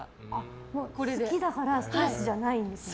好きだからストレスじゃないんですね。